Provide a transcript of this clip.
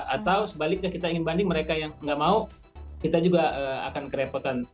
atau sebaliknya kita ingin banding mereka yang nggak mau kita juga akan kerepotan